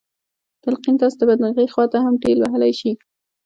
تلقين تاسې د بدمرغۍ خواته هم ټېل وهلی شي.